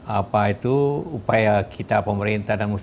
apa itu upaya kita pemerintah dan muslim